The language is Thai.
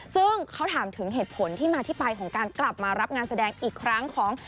ซึ่งเขาถามถึงเหตุผลที่มาที่ไปของการกลับมารับงานแสดงอีกครั้งของ